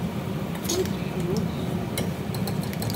Ula d tikli-nwen tezleg.